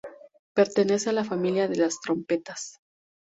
Pertenece a la familia de las trompetas.